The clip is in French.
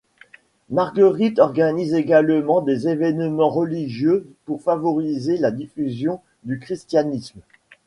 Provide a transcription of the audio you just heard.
Marguerite organise également des événements religieux pour favoriser la diffusion du christianisme.